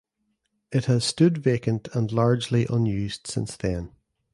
It has stood vacant and largely unused since then.